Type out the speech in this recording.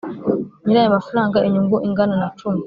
nyir ayo mafaranga inyungu ingana na cumi